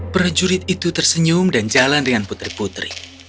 prajurit itu tersenyum dan jalan dengan putri putri